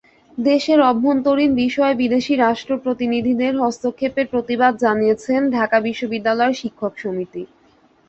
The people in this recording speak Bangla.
দেশের অভ্যন্তরীণ বিষয়ে বিদেশি রাষ্ট্র প্রতিনিধিদের হস্তক্ষেপের প্রতিবাদ জানিয়েছে ঢাকা বিশ্ববিদ্যালয় শিক্ষক সমিতি।